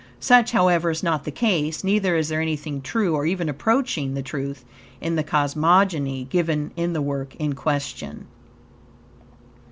Such, however, is not the case, neither is there anything true, or even approaching the truth, in the cosmogony given in the work in question.